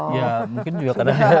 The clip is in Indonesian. ya mungkin juga karena dia